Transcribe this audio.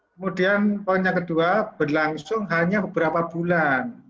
kemudian poin yang kedua berlangsung hanya beberapa bulan